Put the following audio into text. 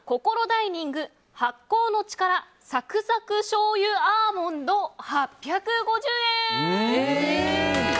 ダイニング発酵のちからサクサクしょうゆアーモンド８５０円。